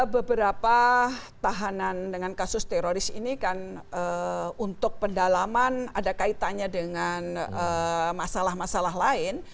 beberapa tahanan dengan kasus teroris ini kan untuk pendalaman ada kaitannya dengan masalah masalah lain